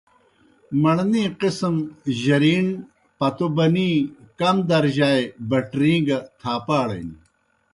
مڑنی قِسم جرِیݨِن، پتو بَنِی، کم درجائے بٹرِیں گہ تھاپاڑِن۔